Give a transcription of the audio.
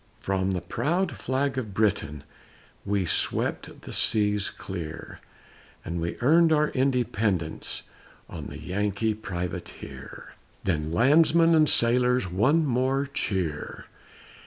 From the proud flag of Britain We swept the seas clear, And we earned our independence On the Yankee Privateer. Then landsmen and sailors, One more cheer!